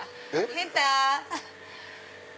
健太！